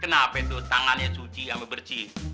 kenapa itu tangannya suci sama bersih